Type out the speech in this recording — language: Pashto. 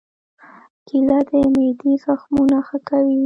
کېله د معدې زخمونه ښه کوي.